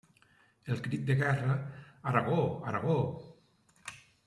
El crit de guerra Aragó, Aragó!